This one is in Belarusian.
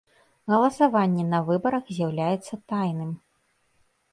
Галасаванне на выбарах з’яўляецца тайным.